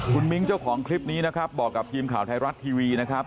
คุณมิ้งเจ้าของคลิปนี้นะครับบอกกับทีมข่าวไทยรัฐทีวีนะครับ